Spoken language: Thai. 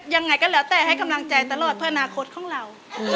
ยังไงก็แล้วแต่ให้กำลังใจตลอดเพื่ออนาคตของเรา